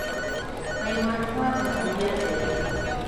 پیمانکار مسوولیت لري